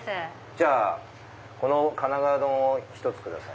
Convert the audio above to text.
じゃあこのかながわ丼を１つください。